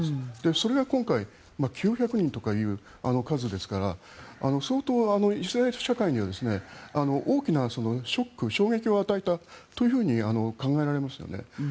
それが今回９００人という数ですから相当、イスラエル社会には大きなショック、衝撃を与えたと考えられますよね。